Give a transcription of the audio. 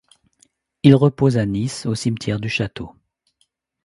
Il repose à Nice au cimetière du Château.